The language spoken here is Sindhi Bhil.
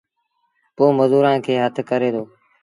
پو مزورآݩ کي هٿ ڪري دو